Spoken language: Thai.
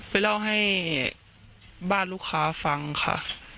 เล่าให้บ้านลูกค้าฟังค่ะ